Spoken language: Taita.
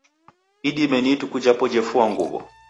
Idime ni ituku japo jefua nguw'o.